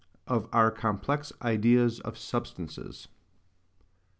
OF OUR COMPLEX IDEAS OF SUBSTANCES.